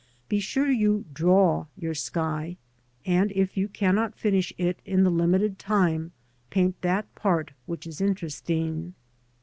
Be sure you draw your sky, and if you cannot finish it in the limited time, paint that part which is interesting.